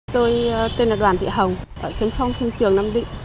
tôi tên là đoàn thị hồng ở sơn phong sơn trường nam định